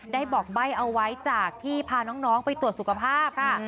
ได้บอกใบ้เอาไว้จากที่พาน้องไปตรวจสุขภาพค่ะ